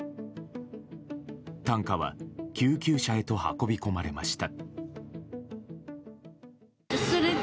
担架は救急車へと運び込まれました。